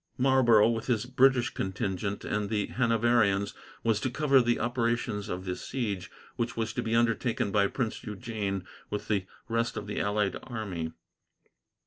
Marlborough, with his British contingent and the Hanoverians, was to cover the operations of the siege, which was to be undertaken by Prince Eugene with the rest of the allied army.